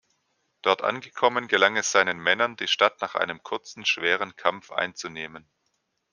Dort angekommen gelang es seinen Männern, die Stadt nach einem kurzen, schweren Kampf einzunehmen.